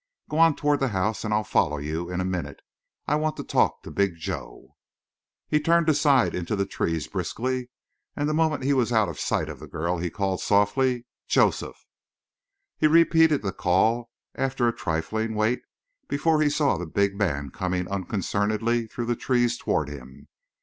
Go on toward the house and I'll follow you in a minute. I want to talk to big Joe." He turned aside into the trees briskly, and the moment he was out of sight of the girl he called softly: "Joseph!" He repeated the call after a trifling wait before he saw the big man coming unconcernedly through the trees toward him.